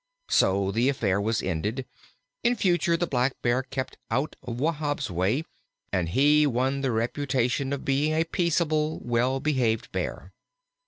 So the affair was ended; in future the Blackbear kept out of Wahb's way, and he won the reputation of being a peaceable, well behaved Bear.